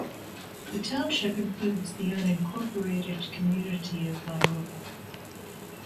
The township includes the unincorporated community of Viola.